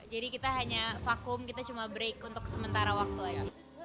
jadi kita hanya vakum kita cuma break untuk sementara waktu aja